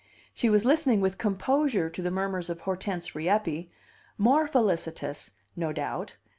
She was listening with composure to the murmurs of Hortense Rieppe, more felicitous, no doubt.